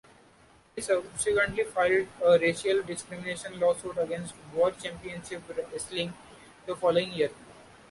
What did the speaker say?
He subsequently filed a racial discrimination lawsuit against World Championship Wrestling the following year.